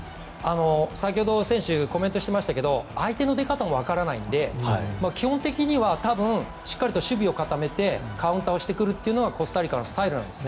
先ほど選手、コメントしていましたが相手の出方もわからないので基本的には多分しっかりと守備を固めてカウンターをしてくるというのがコスタリカのスタイルなんです。